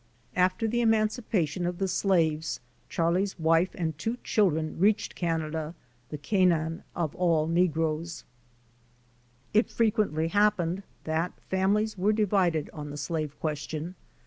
After the emancipation of the slaves Charlie's wife and two children reached Canada, the Canaan of all negroes. 588 D. N. Blazer. j.i.s.h.s. It frequently happened that families were divided on the slave question.